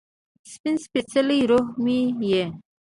سپین سپيڅلې روح مې یې